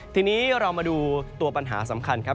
ทีนี้เรามาดูตัวปัญหาสำคัญครับ